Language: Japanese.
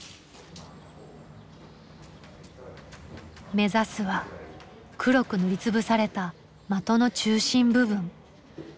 目指すは黒く塗りつぶされた的の中心部分。